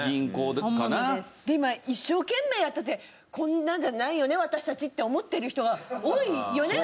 今一生懸命やったってこんなんじゃないよね私たちって思ってる人が多いよね？